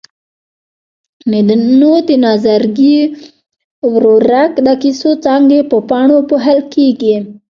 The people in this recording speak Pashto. نو د نظرګي ورورک د کیسو څانګې په پاڼو پوښل کېږي.